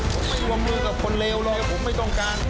ผมไม่วงมือกับคนเลวเลยผมไม่ต้องการ